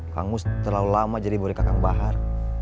kang mus terlalu lama jadi boleh kakak bahar